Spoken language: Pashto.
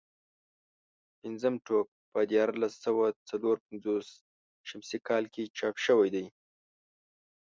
پنځم ټوک په دیارلس سوه څلور پنځوس شمسي کال کې چاپ شوی دی.